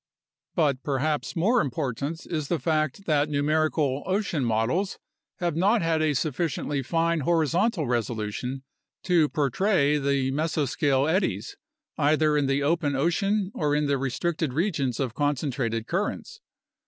But perhaps more important is the fact that numerical ocean models 28 UNDERSTANDING CLIMATIC CHANGE have not had a sufficiently fine horizontal resolution to portray the mesoscale eddies, either in the open ocean or in the restricted regions of concentrated currents.